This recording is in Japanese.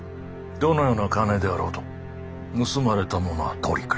どのような金であろうと盗まれたものは取り返す。